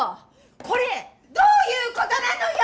これどういうことなのよ